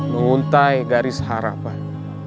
menguntai garis harapan